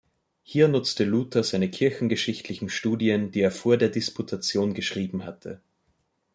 Hier nutzte Luther seine kirchengeschichtlichen Studien, die er vor der Disputation getrieben hatte.